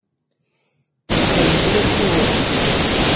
Yexdem kra yekka wass.